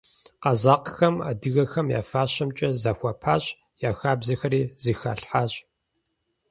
Къэзакъхэм адыгэхэм я фащэмкӀэ захуэпащ, я хабзэхэри зыхалъхьащ.